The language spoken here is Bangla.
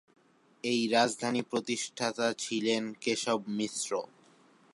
এই রাজধানী প্রতিষ্ঠাতা ছিলেন কেশব মিশ্র।